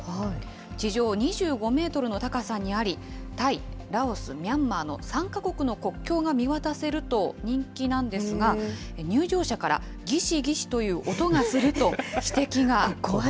地上２５メートルの高さにあり、タイ、ラオス、ミャンマーの３か国の国境が見渡せると人気なんですが、入場者からぎしぎしという音がすると指摘が。